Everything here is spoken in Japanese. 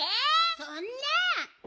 そんな！